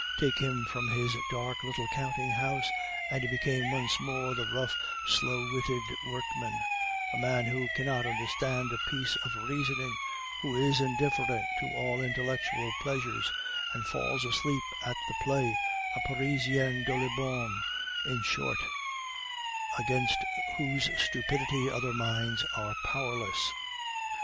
Take him from his dark little counting house, and he became once more the rough, slow witted workman, a man who cannot understand a piece of reasoning, who is indifferent to all intellectual pleasures, and falls asleep at the play, a Parisian Dolibom in short, against whose stupidity other minds are powerless.